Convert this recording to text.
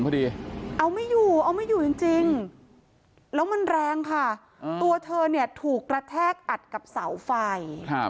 พอดีเอาไม่อยู่เอาไม่อยู่จริงแล้วมันแรงค่ะตัวเธอเนี่ยถูกกระแทกอัดกับเสาไฟ